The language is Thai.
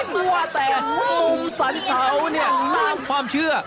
ว่าแต่มุมสันเสาเนี่ยตามความเชื่อ